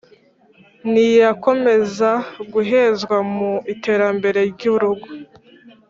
ntiyakomeza guhezwa mu iterambere ry’urugo